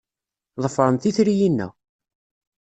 Ḍefremt itri-inna.